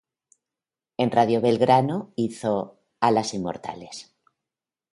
En Radio Belgrano hizo "Alas inmortales".